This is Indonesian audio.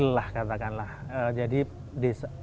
pasar papringan hanya untuk rakyat kecil